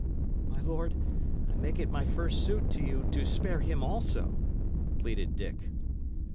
"My lord, I make it my first suit to you to spare him also," pleaded Dick.